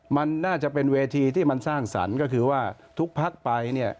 มันน่าจะเป็นเวทีที่มันสร้างสรรค์ก็คือว่าทุกพักไปเนี่ย